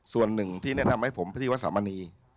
ส่วนหนึ่งที่แนะนำให้ผมไปที่วัดสามณี